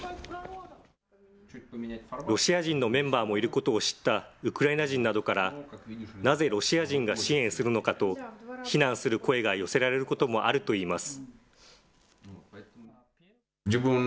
ロシア人のメンバーもいることを知ったウクライナ人などから、なぜロシア人が支援するのかと、非難する声が寄せられることもあるといいます。